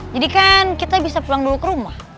jadi kan kita bisa pulang dulu ke rumah